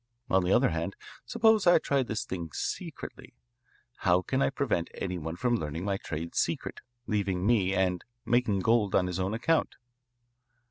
On the other hand, suppose I try this thing secretly. How can I prevent any one from learning my trade secret, leaving me, and making gold on his own account?